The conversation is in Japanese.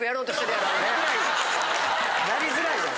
やりづらいわ。